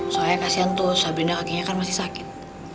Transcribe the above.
soalnya kasihan tuh sabrina kakinya kan masih sakit